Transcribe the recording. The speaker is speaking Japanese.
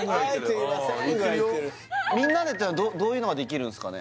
みんなでじゃあどういうのができるんですかね